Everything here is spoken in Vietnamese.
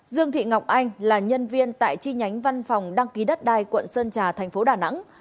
dương thị ngọc anh là nhân viên tại chi nhánh văn phòng đăng ký đất đai quận sơn trà thành phố đà nẵng